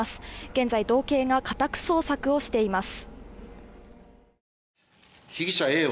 現在、道警が家宅捜索をしています。